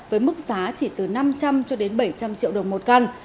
với mức giá chỉ từ năm trăm linh cho đến bảy trăm linh triệu đồng một căn